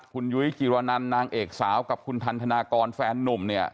คุณยุ้ยจิรนันนางเอกสาวกับคุณทันธนากรแฟนนุ่มเนี่ย